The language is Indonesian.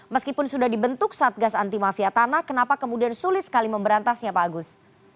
meskipun sudah dibentuk satgas anti mafia tanah kenapa kemudian sulit sekali memberantasnya pak agus